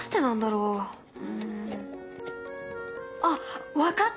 うん。あっ分かった！